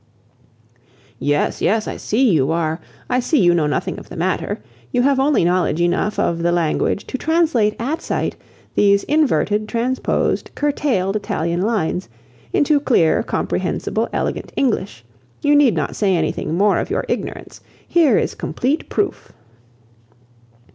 "Yes, yes, I see you are. I see you know nothing of the matter. You have only knowledge enough of the language to translate at sight these inverted, transposed, curtailed Italian lines, into clear, comprehensible, elegant English. You need not say anything more of your ignorance. Here is complete proof."